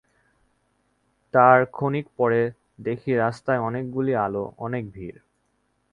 তার খানিক পরে দেখি রাস্তায় অনেকগুলি আলো, অনেক ভিড়।